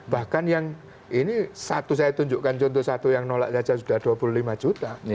bahkan yang ini satu saya tunjukkan contoh satu yang nolak saja sudah dua puluh lima juta